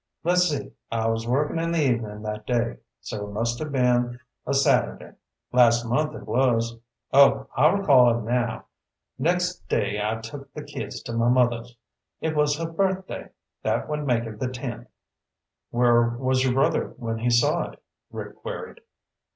"Let's see. I was workin' in the evenin' that day, so it must have been a Saturday. Last month, it was. Oh, I recall it now. Next day I took the kids to my mother's. It was her birthday. That would make it the tenth." "Where was your brother when he saw it?" Rick queried.